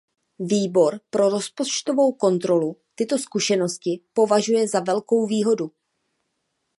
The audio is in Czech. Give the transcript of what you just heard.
Výbor pro rozpočtovou kontrolu tyto zkušenosti považuje za velkou výhodu.